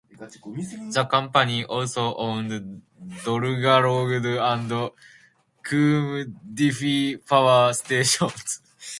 The company also owned Dolgarrog and Cwm Dyfi power stations.